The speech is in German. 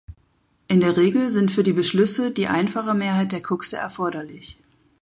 In der Regel sind für die Beschlüsse die einfache Mehrheit der Kuxe erforderlich.